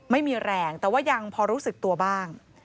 ไม่มีแรงแต่ว่ายังพอรู้สึกตัวบ้าง